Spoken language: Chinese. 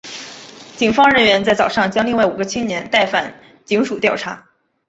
警方人员在早上将另外五个青年带返警署调查。